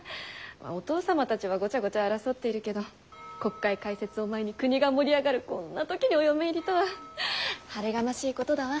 お父様たちはごちゃごちゃ争っているけど国会開設を前に国が盛り上がるこんな時にお嫁入りとは晴れがましいことだわ。